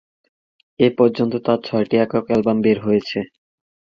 এ পর্যন্ত তার ছয়টি একক অ্যালবাম বের হয়েছে।